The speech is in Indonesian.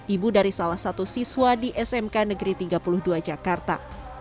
ibu dari salah satu siswa di smk negeri tiga puluh dua jakarta